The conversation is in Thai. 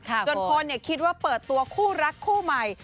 จนคนคิดว่าเปิดตัวคู่รักคู่ใหม่